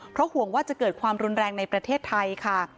เพราะห่วงว่าจะเกิดความรุนแรงในประเทศไทยค่ะ